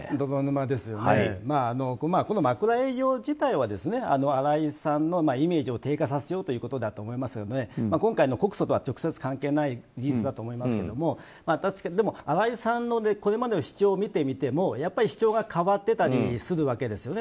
まあ、この枕営業自体は新井さんのイメージを低下させようということだと思うので今回の告訴とは直接関係がない事実だと思いますがでも、新井さんのこれまでの主張を見てみても主張が変わっていたりするんですね。